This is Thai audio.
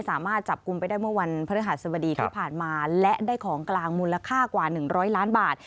สามารถจับกลุ่มไปได้เมื่อวันพฤหัสบดีที่ผ่านมาและได้ของกลางมูลค่ากว่า๑๐๐ล้านบาท